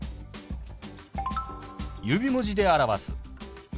指文字で表す。